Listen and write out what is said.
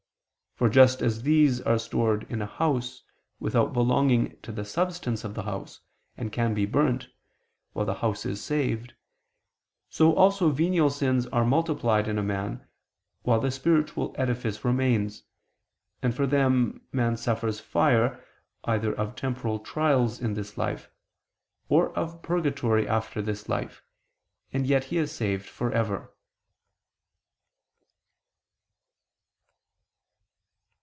For just as these are stored in a house, without belonging to the substance of the house, and can be burnt, while the house is saved, so also venial sins are multiplied in a man, while the spiritual edifice remains, and for them, man suffers fire, either of temporal trials in this life, or of purgatory after this life, and yet he is saved for ever.